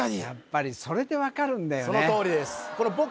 やっぱりそれで分かるんだよね